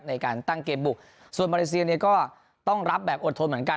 ในการตั้งเกมบุกส่วนมาเลเซียเนี่ยก็ต้องรับแบบอดทนเหมือนกัน